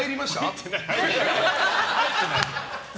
入ってない。